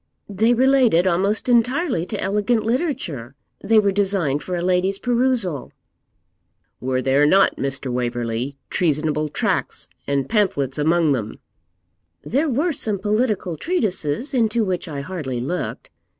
'They related almost entirely to elegant literature; they were designed for a lady's perusal.' 'Were there not, Mr. Waverley, treasonable tracts and pamphlets among them?' 'There were some political treatises, into which I hardly looked.